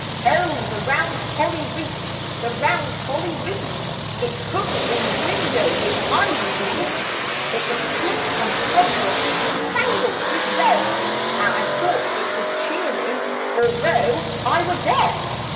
O the round holly wreath, the round holly wreath ! It hung In the window with ivy beneath. It was plump and prosperous, spangled with red And I thought it would cheer me although I were dead.